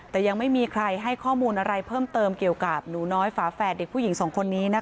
แต่ยังไม่มีใครให้ข้อมูลอะไรเพิ่มเติมเกี่ยวกับหนูน้อยฝาแฝดเด็กผู้หญิงสองคนนี้นะคะ